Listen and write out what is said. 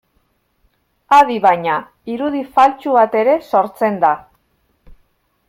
Adi baina, irudi faltsu bat ere sortzen da.